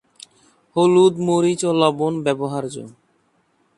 হলুদ, মরিচ, ও লবণ ব্যবহার্য।